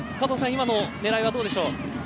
今の狙いはどうでしょう。